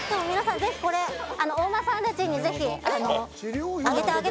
ぜひこれお馬さんたちにぜひあげてください。